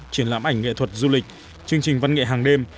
triển lãm ảnh nghệ thuật du lịch chương trình văn nghệ hàng đêm